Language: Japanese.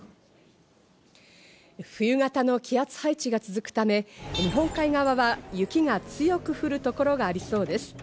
冬型の気圧配置が続くため、日本海側は雪が強く降る所がありそうです。